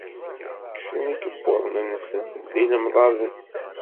Kksen ikebbuḍen-nsen d yilemḍaden.